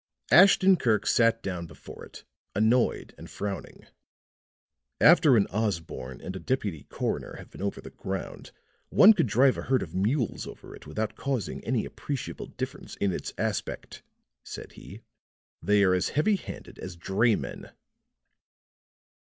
Ashton Kirk sat down before it, annoyed and frowning. "After an Osborne and a deputy coroner have been over the ground, one could drive a herd of mules over it without causing any appreciable difference in its aspect," said he. "They are as heavy handed as draymen."